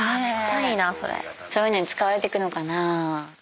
そういうのに使われてくのかな。